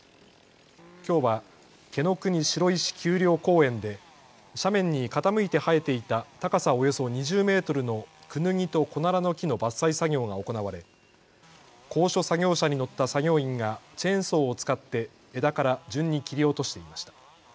きょうは毛野国白石丘陵公園で斜面に傾いて生えていた高さおよそ２０メートルのクヌギとコナラの木の伐採作業が行われ高所作業車に乗った作業員がチェーンソーを使って枝から順に切り落としていました。